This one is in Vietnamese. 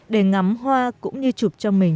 để ngắm hoa cũng như chụp cho mình